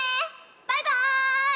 バイバーイ！